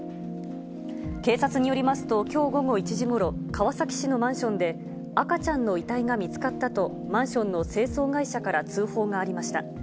警察によりますと、きょう午後１時ごろ、川崎市のマンションで、赤ちゃんの遺体が見つかったと、マンションの清掃会社から通報がありました。